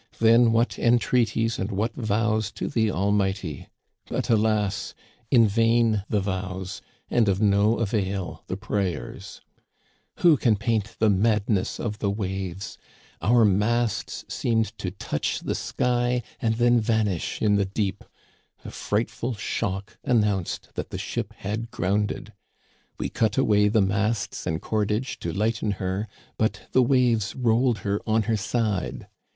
Then what entreaties and what vows to the Almighty ! But, alas ! in vain the vows, and of no avail the prayers !" Who can paint the madness of the waves ? Our masts seemed to touch the sky and then vanish in the deep. A frightful shock announced that the ship had grounded. We cut away the masts and cordage to lighten her, but the waves rolled her on her side.